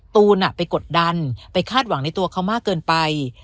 ตูนไปกดดันไปคาดหวังในตัวเขามากเกินไป